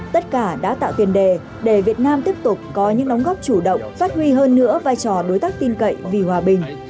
tất cả đã tạo tiền đề để việt nam tiếp tục có những đóng góp chủ động phát huy hơn nữa vai trò đối tác tin cậy vì hòa bình